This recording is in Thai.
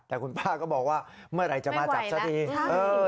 แต่คุณป้าก็บอกว่าเมื่อไหร่จะมาจับซะทีเออ